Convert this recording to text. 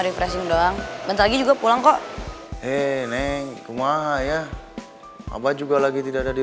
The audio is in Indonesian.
refreshing doang bentar juga pulang kok hei neng kemah ya abah juga lagi tidak ada di